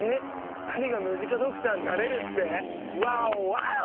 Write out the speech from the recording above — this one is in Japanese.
２人がムジカドクターになれるって⁉ワオワオ！